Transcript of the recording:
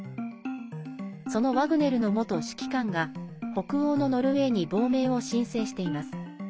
そのワグネルの元指揮官が北欧のノルウェーに亡命を申請しています。